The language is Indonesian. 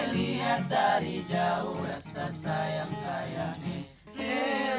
lihat dari jauh rasa sayang sayangin